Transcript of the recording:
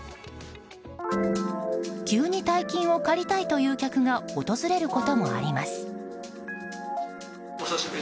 急に大金を借りたいという客が訪れることもあります。